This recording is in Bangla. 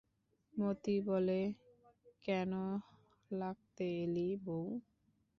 মতি বলে, কেন লাগতে এলি বৌ?